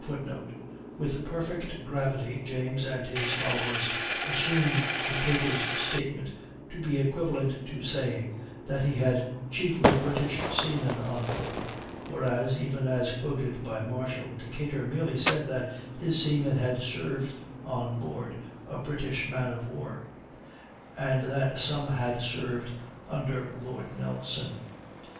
[Footnote: With perfect gravity, James and his followers assume Decatur's statement to be equivalent to saying that he had chiefly British seamen on board; whereas, even as quoted by Marshall, Decatur merely said that "his seamen had served on board a British man of war," and that some "had served under Lord Nelson."